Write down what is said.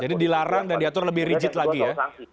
jadi dilarang dan diatur lebih rigid lagi ya